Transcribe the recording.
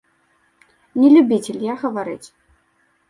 Не любіцель я гаварыць.